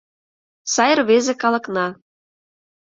Сай рвезе калыкна